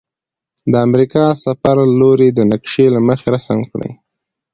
د امریکا د سفر لوري د نقشي له مخې رسم کړئ.